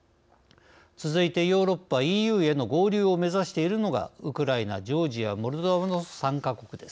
続いてヨーロッパＥＵへの合流を目指しているのがウクライナ、ジョージアモルドバの３か国です。